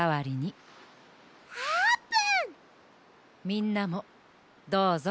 みんなもどうぞ。